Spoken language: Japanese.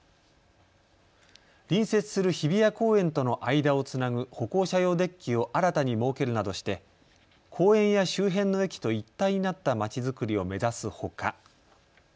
隣接する日比谷公園との間をつなぐ歩行者用デッキを新たに設けるなどして公園や周辺の駅と一体になった街づくりを目指すほか。